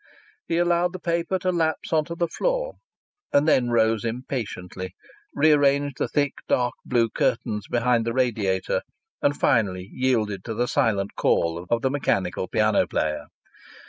He allowed the paper to lapse on to the floor, and then rose impatiently, rearranged the thick dark blue curtains behind the radiator, and finally yielded to the silent call of the mechanical piano player.